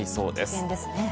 危険ですね。